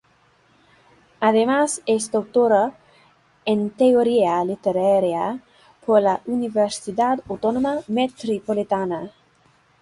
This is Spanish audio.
Además es doctora en teoría literaria por la Universidad Autónoma Metropolitana.